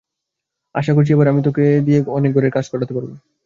আশা করছি, এবার আমি ওকে দিয়ে অনেক ঘরের কাজ করাতে পারব।